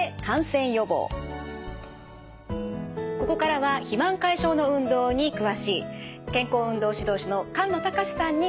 ここからは肥満解消の運動に詳しい健康運動指導士の菅野隆さんに教えていただきます。